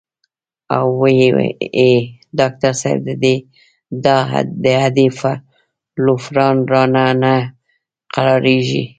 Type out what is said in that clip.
او وې ئې " ډاکټر صېب د اډې لوفران رانه نۀ قلاریږي